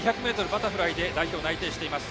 バタフライ代表内定しています。